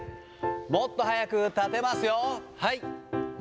もっと速く立てますよ。